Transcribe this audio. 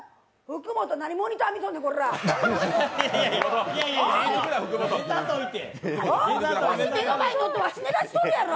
福本、何、モニター見てんねん。